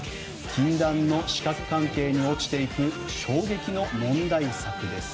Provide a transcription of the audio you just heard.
禁断の四角関係に落ちていく衝撃の問題作です。